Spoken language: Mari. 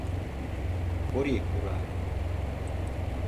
Кори пура.